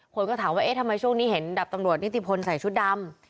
คนก็ถามว่าเอ๊ะทำไมช่วงนี้เห็นดับตำรวจนิติพลใส่ชุดดำ